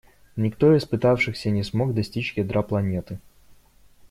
Никто из пытавшихся не смог достичь ядра планеты.